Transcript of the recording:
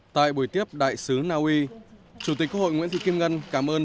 tại buổi tiếp đại sứ naui chủ tịch quốc hội nguyễn thị kim ngân cảm ơn